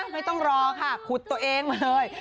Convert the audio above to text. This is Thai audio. ไม่ต้องรอค่ะขุดตัวเองมาเลย